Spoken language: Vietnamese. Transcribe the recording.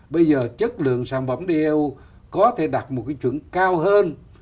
bây giờ chất lượng sản phẩm đều có thể đặt một cái chuẩn cao hơn